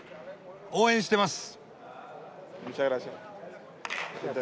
応援してます！